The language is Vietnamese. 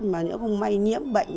mà nó không may nhiễm bệnh